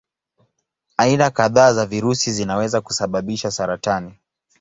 Aina kadhaa za virusi zinaweza kusababisha saratani.